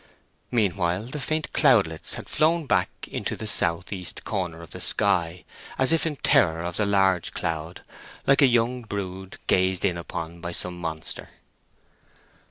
Meanwhile the faint cloudlets had flown back into the south east corner of the sky, as if in terror of the large cloud, like a young brood gazed in upon by some monster.